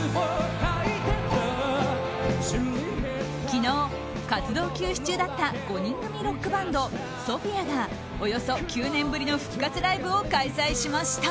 昨日、活動休止中だった５人組ロックバンドＳＯＰＨＩＡがおよそ９年ぶりの復活ライブを開催しました。